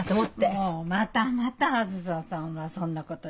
もうまたまたあづささんはそんなこと言って！